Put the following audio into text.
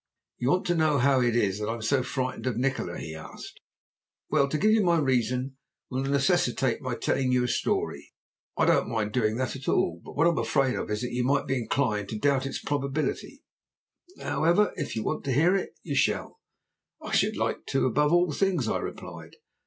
"You want to know how it is that I am so frightened of Nikola?" he asked. "Well, to give you my reason will necessitate my telling you a story. I don't mind doing that at all, but what I am afraid of is that you may be inclined to doubt its probability. However, if you want to hear it you shall." "I should like to above all things," I replied.